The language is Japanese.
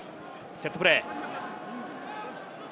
セットプレー。